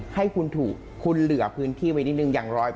ให้คุณถูกคุณเหลือพื้นที่ไว้นิดนึงอย่าง๑๐๐